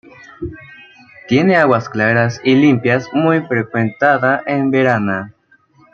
Tiene aguas claras y limpias muy frecuentada en verano.